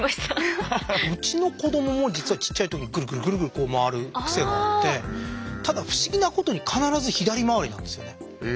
うちの子どもも実はちっちゃい時ぐるぐるぐるぐる回る癖があってただ不思議なことに必ず左回りなんですよね。